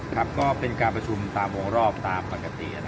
ครับก็เป็นการประชุมตามวงรอบตามปกติ